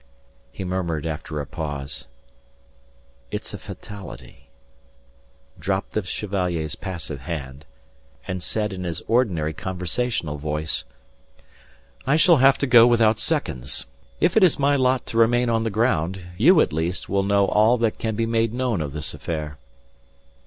He murmured after a pause, "It's a fatality," dropped the Chevalier's passive hand, and said in his ordinary conversational voice: "I shall have to go without seconds. If it is my lot to remain on the ground, you at least will know all that can be made known of this affair."